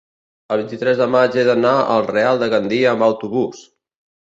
El vint-i-tres de maig he d'anar al Real de Gandia amb autobús.